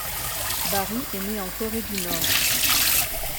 Bari est née en Corée du Nord.